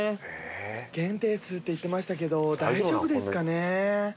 限定数って言ってましたけど大丈夫ですかね？